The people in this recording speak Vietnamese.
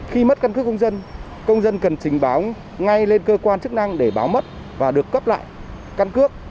khi mất cân cước công dân công dân cần trình báo ngay lên cơ quan chức năng để báo mất và được cấp lại căn cước